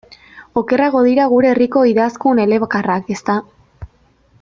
Okerrago dira gure herriko idazkun elebakarrak, ezta?